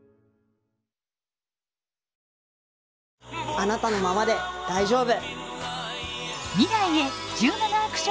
あなたのままで大丈夫。